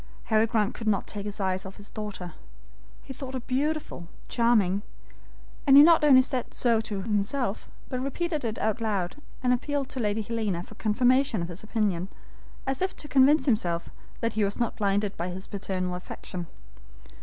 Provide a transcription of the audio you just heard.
Harry Grant could not take his eyes off his daughter. He thought her beautiful, charming; and he not only said so to himself, but repeated it aloud, and appealed to Lady Helena for confirmation of his opinion, as if to convince himself that he was not blinded by his paternal affection.